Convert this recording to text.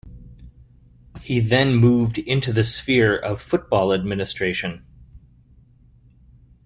He then moved into the sphere of football administration.